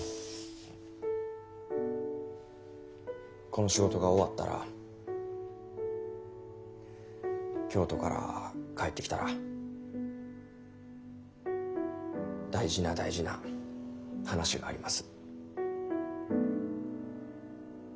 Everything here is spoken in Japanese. この仕事が終わったら京都から帰ってきたら大事な大事な話があります。